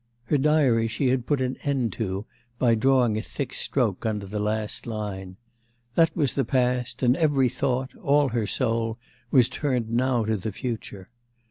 Her diary she had put an end to by drawing a thick stroke under the last line. That was the past, and every thought, all her soul, was turned now to the future.